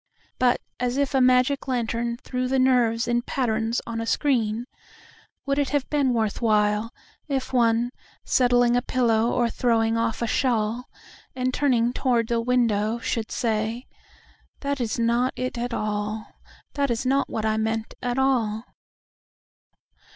But as if a magic lantern threw the nerves in patterns on a screen:Would it have been worth whileIf one, settling a pillow or throwing off a shawl, And turning toward the window, should say:"That is not it at all, That is not what I meant, at all."